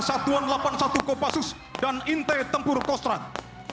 satuan delapan puluh satu kopassus dan intai tempur kostrat